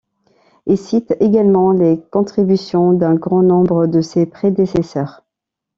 Il cite également les contributions d'un grand nombre de ses prédécesseurs.